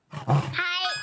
はい。